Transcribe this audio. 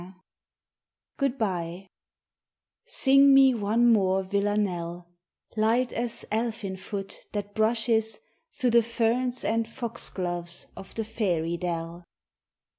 XIV GOOD BYE SING me one more villanelle, Light as elfin foot that brushes Through the ferns and foxgloves of the fairy dell.